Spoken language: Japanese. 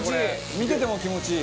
見てても気持ちいい。